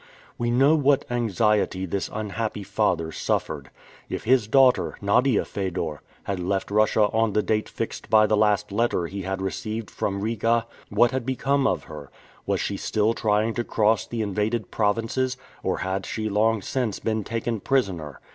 We know what anxiety this unhappy father suffered. If his daughter, Nadia Fedor, had left Russia on the date fixed by the last letter he had received from Riga, what had become of her? Was she still trying to cross the invaded provinces, or had she long since been taken prisoner?